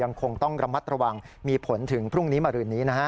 คงต้องระมัดระวังมีผลถึงพรุ่งนี้มารืนนี้นะฮะ